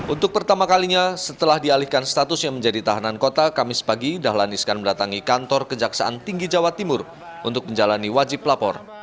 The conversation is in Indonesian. untuk pertama kalinya setelah dialihkan statusnya menjadi tahanan kota kamis pagi dahlan iskan mendatangi kantor kejaksaan tinggi jawa timur untuk menjalani wajib lapor